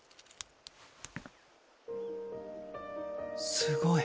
すごい。